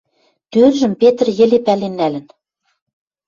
Тӧржӹм Петр йӹле пӓлен нӓлӹн.